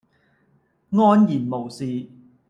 安然無事